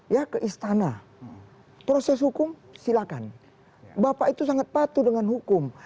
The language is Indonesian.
ya ke istana proses hukum silakan bapak itu sangat patuh dengan hukum